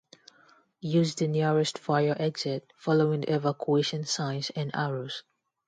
Use the nearest fire exit, following the evacuation signs and arrows.